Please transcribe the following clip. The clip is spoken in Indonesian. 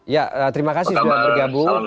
ya terima kasih sudah bergabung